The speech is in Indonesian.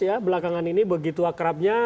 ya belakangan ini begitu akrabnya